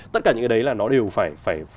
tất cả những cái đấy là nó đều phải